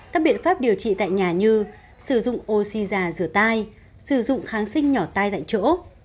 các biện pháp điều trị tại nhà như sử dụng oxy già rửa tay sử dụng kháng sinh nhỏ tai tại chỗ